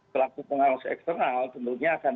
selaku pengawas eksternal tentunya akan